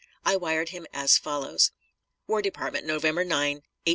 I wired him as follows: WAR DEPARTMENT, November 9, 1864.